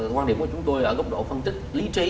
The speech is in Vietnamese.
quan điểm của chúng tôi ở góc độ phân tích lý trí